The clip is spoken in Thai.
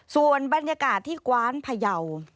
ส่วนบรรยากาศที่กว้านพยาว